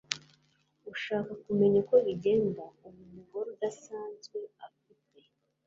ushaka kumenya uko bigenda ubu umugore udasanzwe afite